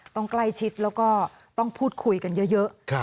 ต้องใกล้ชิดแล้วก็ต้องพูดคุยกันเยอะ